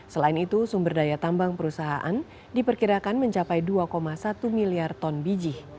selain itu sumber daya tambang perusahaan diperkirakan mencapai dua satu miliar ton biji